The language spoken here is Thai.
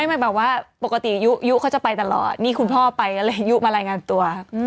มันแบบว่าปกติยุเขาจะไปตลอดนี่คุณพ่อไปก็เลยยุมารายงานตัว